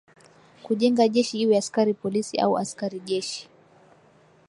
kujenga jeshi iwe askari polisi au askari jeshi